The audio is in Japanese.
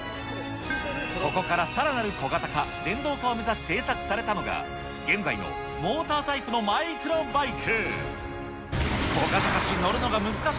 ここからさらなる小型化、電動化を目指し製作されたのが、現在のモータータイプのマイクロバイク。